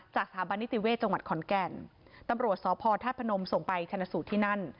สถาบันนิติเวศจังหวัดขอนแก่นตำรวจสพธาตุพนมส่งไปชนะสูตรที่นั่น